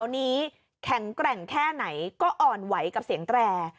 ตอนนี้แข็งแกร่งแค่ไหนก็อ่อนไหวกับเสียงแตร